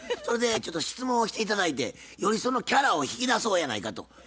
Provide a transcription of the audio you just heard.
それでちょっと質問をして頂いてよりそのキャラを引き出そうやないかと。